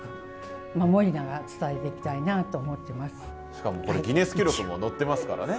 しかもこれギネス記録も載ってますからね。